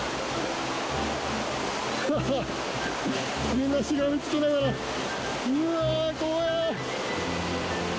みんなしがみつきながら、うわー、怖い。